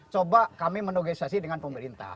coba kami menegosiasi dengan pemerintah